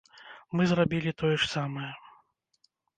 Мы зрабілі тое ж самае.